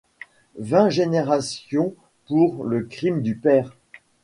Vingt générations pour le crime du père.